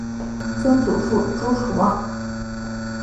曾祖父朱楚望。